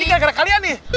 ini gara gara kalian nih